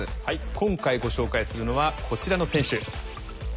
今回ご紹介するのはこちらの選手。